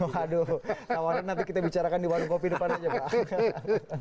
waduh tawaran nanti kita bicarakan di warung kopi depan aja pak